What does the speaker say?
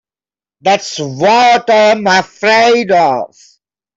That's what I'm afraid of.